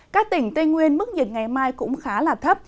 các tỉnh tây nguyên mức nhiệt ngày mai cũng khá là thấp